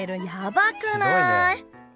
やばくない？